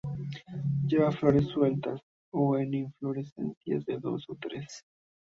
Lleva flores sueltas o en inflorescencias de dos o tres.